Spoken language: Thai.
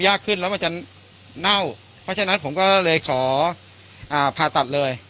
ยากขึ้นแล้วมันจะเน่าเพราะฉะนั้นผมก็เลยขอผ่าตัดเลย